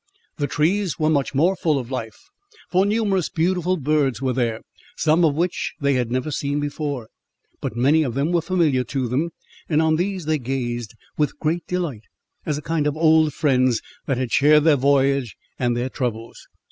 The trees were much more full of life, for numerous beautiful birds were there, some of which they had never seen before; but many of them were familiar to them, and on these they gazed with great delight, as a kind of old friends that had shared their voyage and their troubles.